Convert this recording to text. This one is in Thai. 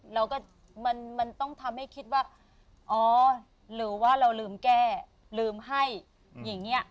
แล้วก็มันต้องทำให้คิดว่าอ๋อหรือว่าเราลืมแก้ลืมให้อย่างนี้